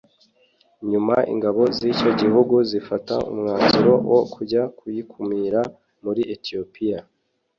nyuma ingabo z’icyo gihugu zifata umwanzuro wo kujya kuyikumira muri Ethiopia